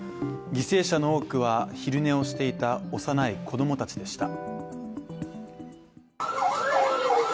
犠牲者の多くは、昼寝をしていた幼い子供たちでした。